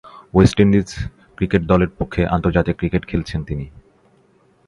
West Indies cricket দলের পক্ষে আন্তর্জাতিক ক্রিকেট খেলছেন তিনি।